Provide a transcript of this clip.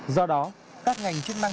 do đó các ngành chuyên măng